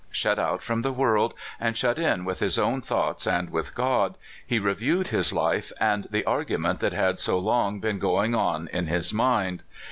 Shut out from the world, and shut in with his own thoughts and with God, he reviewed his life and the argument that had so long been going on in his mind.